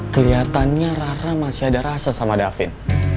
keliatannya rara masih ada rasa sama davin